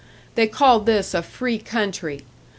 They called this a free country!